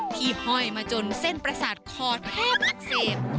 ห้อยมาจนเส้นประสาทคอแทบอักเสบ